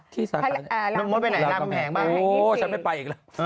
ที่สาธารณะนั้นลำแผงลำแผงบ้างค่ะอู๋ฮูฉันไม่ไปอีกแล้ว